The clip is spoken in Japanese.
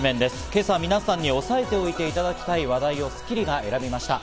今朝、皆さんに押さえておいていただきたい話題を『スッキリ』が選びました。